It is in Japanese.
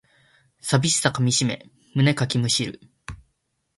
寂しさかみしめ胸かきむしる